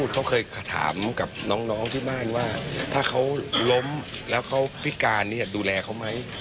เขาเคยถามกับน้องที่บ้านว่าถ้าเขาล้มแล้วเขาพิการดูแลเขาไหม